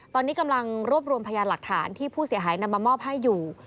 ตอนนี้กำลังรวบรวมพยานหลักฐานที่ผู้เสียหายนำมามอบให้อยู่